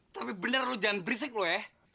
tapi bener lu jangan berisik lo ya